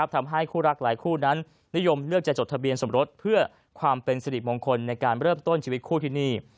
ทำให้คู่รักหลายคู่นั้นนิยมเลือกจะจดทะเบียนสมรสเพื่อความเป็นสิริมงคลในการเริ่มต้นชีวิตคู่ที่นี่